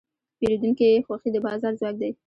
د پیرودونکي خوښي د بازار ځواک دی.